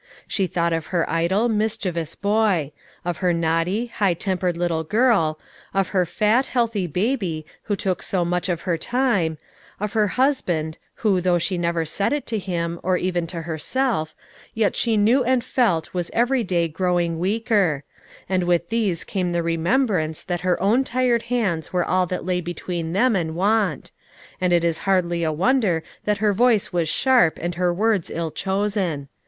She thought of her idle, mischievous boy; of her naughty, high tempered little girl; of her fat, healthy baby, who took so much of her time; of her husband, who, though she never said it to him, or even to herself, yet she knew and felt was every day growing weaker; and with these came the remembrance that her own tired hands were all that lay between them and want; and it is hardly a wonder that her voice was sharp and her words ill chosen.